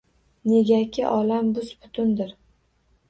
Negaki olam bus-butundir.